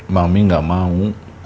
mami gak mau